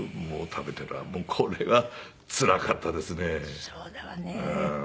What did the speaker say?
もう食べてたらこれがつらかったですね。